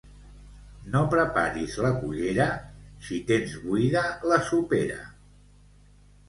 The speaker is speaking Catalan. No preparis la cullera si tens buida la sopera.